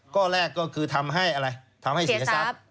ข้อแรกก็คือทำให้อะไรทำให้เสียทรัพย์